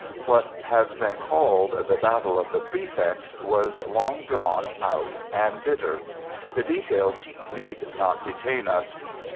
What has been called the "battle of the Prefects" was long drawn out and bitter. The details need not detain us.